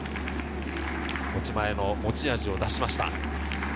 持ち前の持ち味を出しました。